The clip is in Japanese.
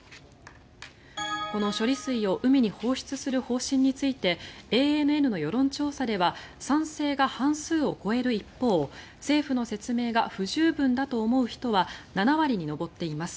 この処理水を海に放出する方針についてＡＮＮの世論調査では賛成が半数を超える一方政府の説明が不十分だと思う人は７割に上っています。